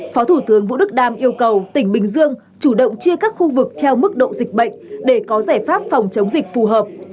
phó thủ tướng vũ đức đam yêu cầu tỉnh bình dương chủ động chia các khu vực theo mức độ dịch bệnh để có giải pháp phòng chống dịch phù hợp